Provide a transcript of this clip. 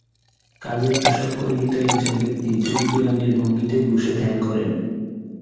কাজের পোশাক পরিহিত একজন ব্যক্তি যোগব্যায়ামের ভঙ্গিতে বসে ধ্যান করেন।